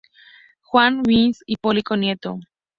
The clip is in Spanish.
Juan Iván Hipólito Nieto.